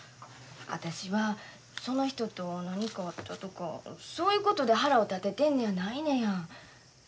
私はその人と何かあったとかそういうことで腹を立ててんねやないのや。